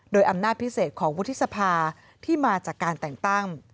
โดยอำนาจพิเศษของวุฒิสภาที่มาจากการแต่งตั้ง